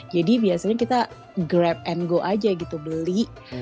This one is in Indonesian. jadi biasanya kita grab and go aja gitu beli